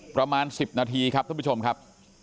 ประมาณสิบนาทีครับทุกผู้ชมครับ